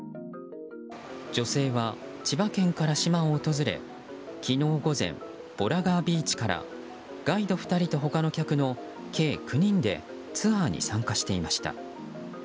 女性は、千葉県から島を訪れ昨日午前、保良泉ビーチからガイド２人と他の客の計９人でツアーに参加していました。